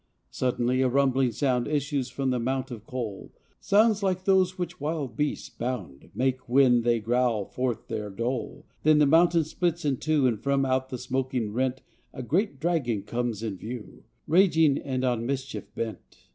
Suddenly a rumbling sound Issues from the mount of coal — Sounds like those which wild beasts, bound, Make when they growl forth their dole. Then the mountain splits in two And from out the smoking rent A great dragon comes in view, Raging and on mischief bent.